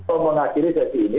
omong akirnya seperti ini